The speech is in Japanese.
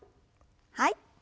はい。